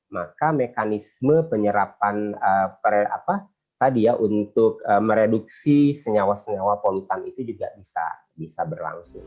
maka mekanisme penyerapan tadi ya untuk mereduksi senyawa senyawa polutan itu juga bisa berlangsung